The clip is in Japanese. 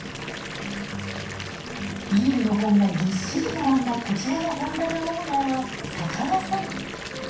ビールの本がぎっしり並んだこちらの本棚オーナーは酒屋さん。